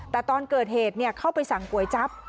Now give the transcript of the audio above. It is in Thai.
แต่ตอนเกิดเหตุเข้าไปสั่งก๋วยจั๊บ